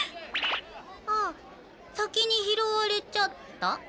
あっ先に拾われちゃった？